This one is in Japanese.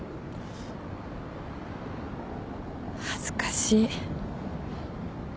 恥ずかしい。